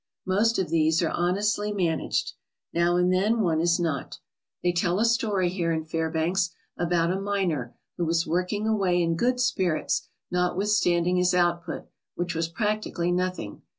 Most of these are honestly managed. Now and then one is not. They tell a story here in Fairbanks about a miner who was working away in good spirits notwithstanding his output, which was practically nothing.